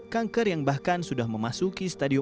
kanker yang bahkan sudah memasuki stadion